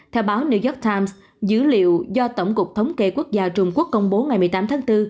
theo báo new york times dữ liệu do tổng cục thống kê quốc gia trung quốc công bố ngày một mươi tám tháng bốn